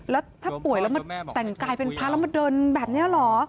แล้วถ้าป่วยแล้วมาแต่งกายเป็นพระแล้วมาเดินแบบนี้เหรอ